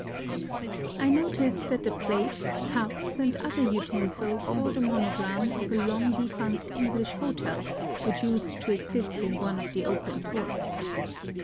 I noticed that the plates, cups, and other utensils bore the monogram of a long defunct English hotel which used to exist in one of the open ports.